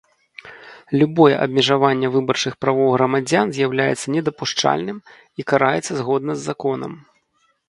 Любое абмежаванне выбарчых правоў грамадзян з’яўляецца недапушчальным і караецца згодна з законам.